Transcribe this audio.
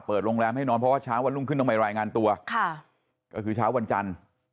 โรงแรมให้นอนเพราะว่าเช้าวันรุ่งขึ้นต้องไปรายงานตัวค่ะก็คือเช้าวันจันทร์